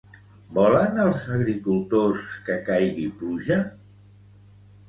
Volen els agricultors que caigui pluja?